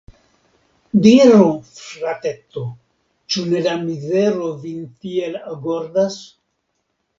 Diru, frateto, ĉu ne la mizero vin tiel agordas?